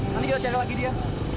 nanti kita cek lagi dia